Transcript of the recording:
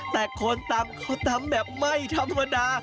แต่คนตำเขาตำแบบไม่ธรรมดา